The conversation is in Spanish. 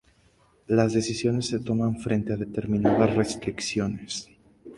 Las decisiones se toman frente a determinadas restricciones.